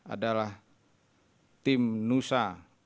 adalah tim nusa